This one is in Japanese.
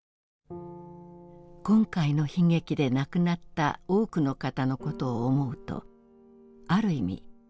「今回の悲劇で亡くなった多くの方の事を思うとある意味